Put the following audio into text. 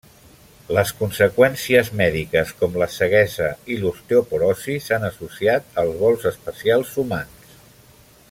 Les conseqüències mèdiques com la ceguesa i l'osteoporosi s'han associat als vols espacials humans.